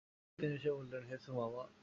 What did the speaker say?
পরদিন এসে বললেন, হে সুমামা!